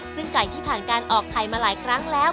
ซึ่งไก่ที่ผ่านการออกไข่มาหลายครั้งแล้ว